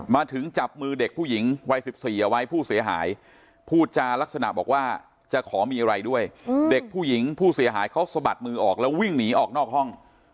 มาถึงจับมือเด็กผู้หญิงวัย๑๔เอาไว้ผู้เสียหายพูดจารักษณะบอกว่าจะขอมีอะไรด้วยเด็กผู้หญิงผู้เสียหายเขาสะบัดมือออกแล้ววิ่งหนีออกนอกห้อง